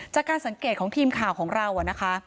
จากการสังเกตของทีมข่าวของเรานะคะ